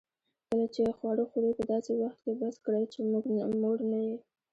کله چي خواړه خورې؛ په داسي وخت کښې بس کړئ، چي موړ نه يې.